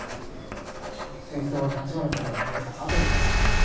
水槽は橘さんが倒れた後に割られたんだ。